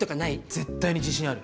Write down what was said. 絶対に自信ある？